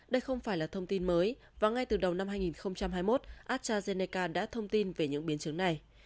đây không phải là thông tin mới và ngay từ đầu năm hai nghìn hai mươi một astrazeneca đã thông tin về những biến chứng này